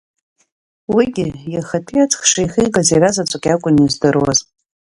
Уигьы, иахатәи аҵых шихигаз иара заҵәык иакәын издыруаз.